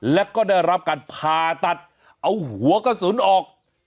แล้วก็ได้รับการผ่าตัดเอาหัวกระสุนออก